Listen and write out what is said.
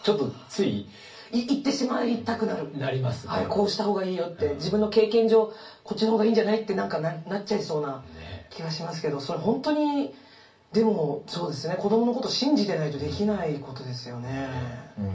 「こうした方がいいよ」って「自分の経験上こっちの方がいいんじゃない？」って何かなっちゃいそうな気がしますけどそれ本当にでもそうですよね子どものこと信じてないとできないことですよね。